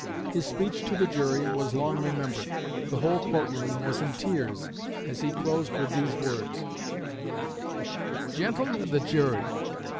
His speech to the jury was long remembered. The whole court room was in tears as he closed with these words: "Gentlemen of the jury.